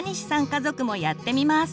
家族もやってみます！